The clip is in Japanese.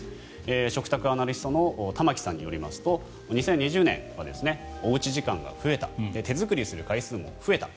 食卓アナリストの玉置さんによりますと２０２０年はおうち時間が増えた手作りする回数も増えた。